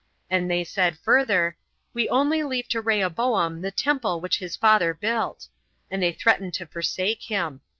And they said further, "We only leave to Rehoboam the temple which his father built;" and they threatened to forsake him.